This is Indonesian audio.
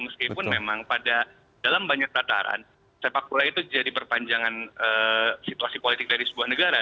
meskipun memang pada dalam banyak tataran sepak bola itu jadi perpanjangan situasi politik dari sebuah negara